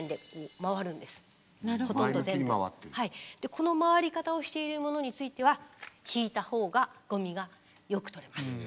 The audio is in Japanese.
この回り方をしているものについては引いた方がゴミがよく取れます。